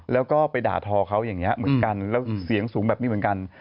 แล้วก็ไปด่าทอเขาอย่างนี้เหมือนกันแล้วเสียงสูงแบบนี้เหมือนกัน